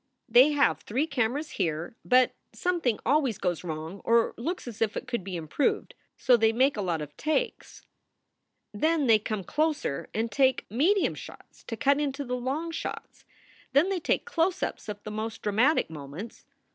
They have three cameras here, but something always goes wrong, or looks as if it could be improved; so they make a lot of takes. Then they come closer and take medium shots to cut into the long shots. Then they take close ups of the most dramatic moments.